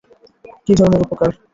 কী ধরনের উপকার?